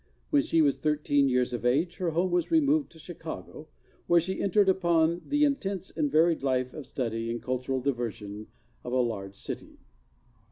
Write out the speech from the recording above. When she was thirteen years of age her home was removed to Chicago, where she entered upon the intense and varied life of study and cultural diversion of a large city.